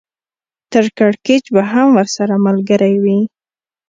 نو کړکېچ به هم ورسره ملګری وي